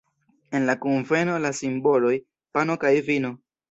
En la kunveno la simboloj: pano kaj vino.